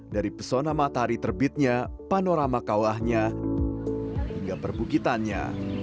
dari pesona matahari terbitnya panorama kawahnya hingga perbukitannya